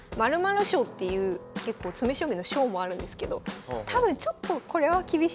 ○○賞っていう結構詰将棋の賞もあるんですけど多分ちょっとこれは厳しいかなと。